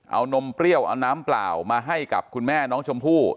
เอานมเปรี้ยวเอาน้ำเปล่ามาให้กับคุณแม่น้องชมพู่